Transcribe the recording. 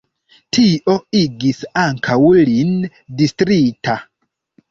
Tio igis ankaŭ lin distrita.